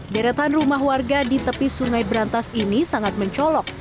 deretan rumah warga di tepi sungai berantas ini sangat mencolok